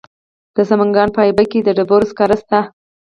د سمنګان په ایبک کې د ډبرو سکاره شته.